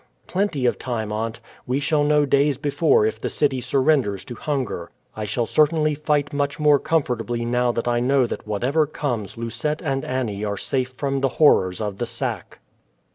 "Plenty of time, aunt. We shall know days before if the city surrenders to hunger. I shall certainly fight much more comfortably now that I know that whatever comes Lucette and Annie are safe from the horrors of the sack."